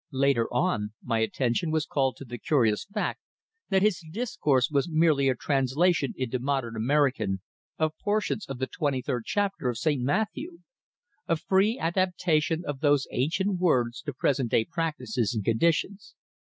Later on, my attention was called to the curious fact that his discourse was merely a translation into modern American of portions of the twenty third chapter of St. Matthew; a free adaptation of those ancient words to present day practices and conditions.